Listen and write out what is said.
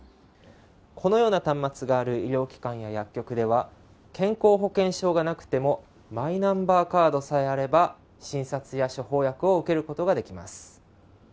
このような端末がある医療機関や薬局では健康保険証がなくてもマイナンバーカードさえあれば診察や処方薬を受けることができます。